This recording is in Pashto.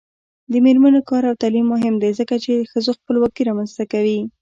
د میرمنو کار او تعلیم مهم دی ځکه چې ښځو خپلواکي رامنځته کوي.